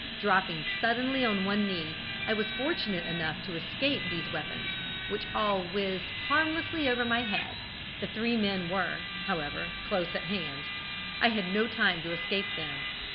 Dropping suddenly on one knee, I was fortunate enough to escape these weapons, which all whizzed harmlessly over my head: the three men were, however, close at hand, and I had no time to escape them.